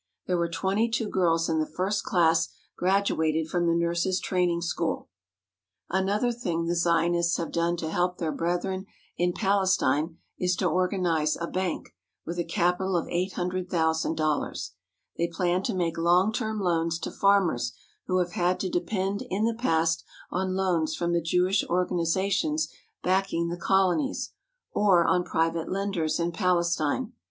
There were twenty two girls in the first class graduated from the nurses' train ing school. Another thing the Zionists have done to help their brethren in Palestine is to organize a bank, with a capital of $800,000. They plan to make long time loans to farmers who have had to depend in the past on loans from the Jewish organizations backing the colonies, or on private lenders in Palestine.